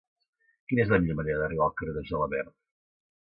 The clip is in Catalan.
Quina és la millor manera d'arribar al carrer de Gelabert?